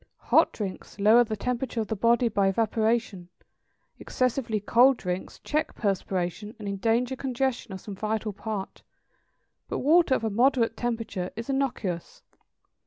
Hot drinks lower the temperature of the body by evaporation; excessively cold drinks check perspiration, and endanger congestion of some vital part; but water of a moderate temperature is innocuous.